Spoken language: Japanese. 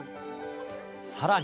さらに。